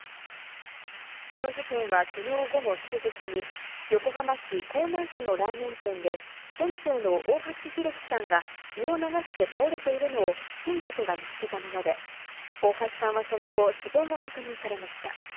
この事件はきのう午後７時すぎ、横浜市港南区のラーメン店で、店長の大橋弘輝さんが血を流して倒れているのを親族が見つけたもので、大橋さんは、その後死亡が確認されました。